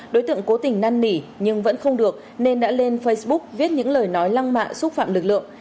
đối tượng cố tình năn nỉ nhưng vẫn không được nên đã lên facebook viết những lời nói lăng mạ xúc phạm lực lượng